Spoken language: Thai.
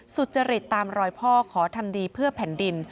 สุจริตตามรอยพ่อขอทำดีเพื่อแผ่นดิน